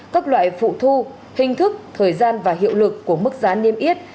các loại phụ thu hình thức thời gian và hiệu lực của mức giá nghiêm biết